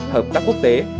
hợp tác quốc tế